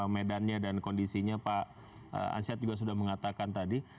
medannya dan kondisinya pak ansyad juga sudah mengatakan tadi